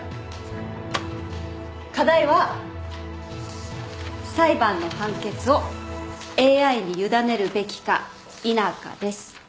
課題は裁判の判決をＡＩに委ねるべきか否かです。